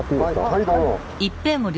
はいどうぞ。